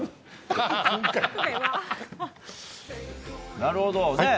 なるほど。